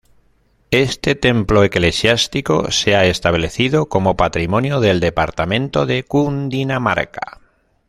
Este templo eclesiástico se ha establecido como patrimonio del departamento de Cundinamarca.